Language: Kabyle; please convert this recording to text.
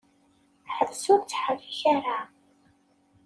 Ḥbes ur ttḥerrik ara!